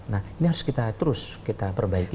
nah ini harus kita terus kita perbaiki